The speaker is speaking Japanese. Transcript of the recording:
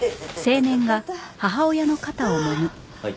はい。